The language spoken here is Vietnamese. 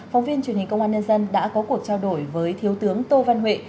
phóng viên truyền hình công an nhân dân đã có cuộc trao đổi với thiếu tướng tô văn huệ